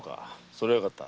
それはよかった。